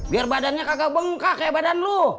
biar badannya kagak bengkak kayak badan lo